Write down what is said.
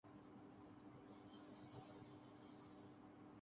لاہور کے اتوار بازاروں میں سبزیاں مرغی کے بھاو فروخت ہونے لگیں